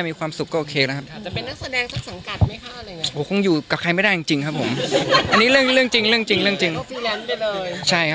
คิดว่าปิจะมีแฟนรึคะ